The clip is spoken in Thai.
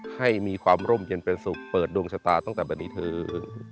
ให้มีความร่มเย็นเป็นศุกร์เปิดดวงชะตาตั้งแต่บรรณิทึง